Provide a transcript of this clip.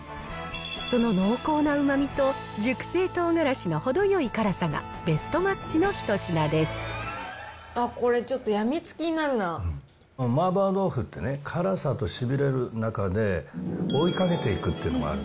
その濃厚なうまみと熟成とうがらしの程よい辛さがベストマッチのあっ、麻婆豆腐ってね、辛さとしびれる中で、追いかけていくっていうのもある。